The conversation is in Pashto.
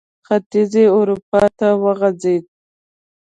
ختیځې اروپا ته وغځېد.